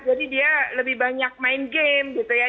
jadi dia lebih banyak main game gitu ya